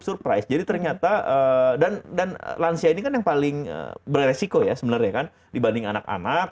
surprise jadi ternyata dan lansia ini kan yang paling beresiko ya sebenarnya kan dibanding anak anak